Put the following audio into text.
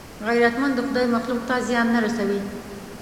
غیرتمند د خدای مخلوق ته زیان نه رسوي